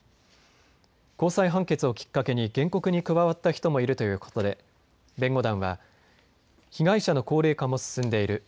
高裁判決をきっかけに原告に加わった人もいるということで弁護団は被害者の高齢化も進んでいる。